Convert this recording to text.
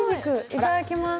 いただきます。